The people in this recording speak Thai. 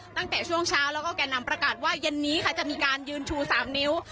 ตั้งแต่ช่วงเช้าแล้วก็แก่นำประกาศว่าเย็นนี้ค่ะจะมีการยืนชู๓นิ้ว